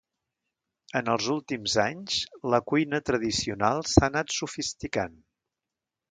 En els últims anys, la cuina tradicional s'ha anat sofisticant.